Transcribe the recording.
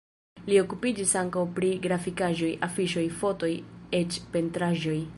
Li okupiĝis ankaŭ pri grafikaĵoj, afiŝoj, fotoj, eĉ pentraĵoj.